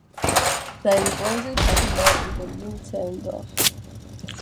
Seinen Wohnsitz hatte Mau in Berlin-Zehlendorf.